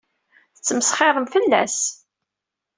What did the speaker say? Tettmesxiṛem fell-as.